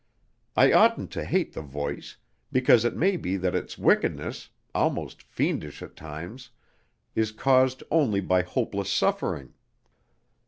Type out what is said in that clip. I oughtn't to hate the voice, because it may be that its wickedness almost fiendish at times is caused only by hopeless suffering.